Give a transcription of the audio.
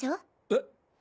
えっ？